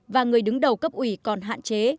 và người đứng đầu cấp ủy còn hạn chế